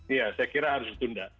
iya saya kira harus ditunda